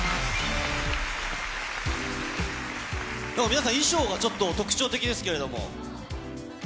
皆さん、衣装がちょっと、特徴的ですけれども。